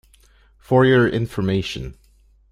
For your information.